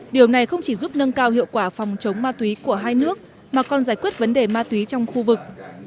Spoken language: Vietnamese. điều này không chỉ giúp nâng cao hiệu quả phòng chống ma túy của hai nước mà còn giải quyết vấn đề ma túy trong khu vực